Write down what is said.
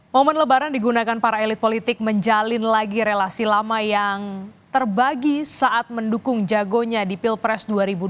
momen lebaran digunakan para elit politik menjalin lagi relasi lama yang terbagi saat mendukung jagonya di pilpres dua ribu dua puluh